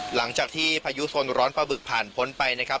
หลังจากที่พายุโซนร้อนปลาบึกผ่านพ้นไปนะครับ